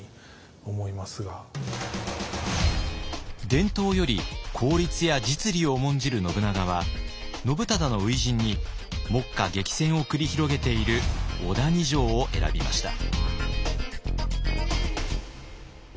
伝統より効率や実利を重んじる信長は信忠の初陣に目下激戦を繰り広げている小谷城を選びました。